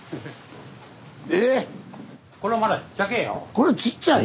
これちっちゃい？